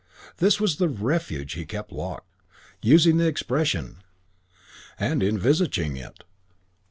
This was the refuge he kept locked, using the expression and envisaging it.